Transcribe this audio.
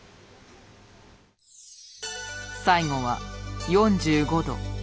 最後は４５度。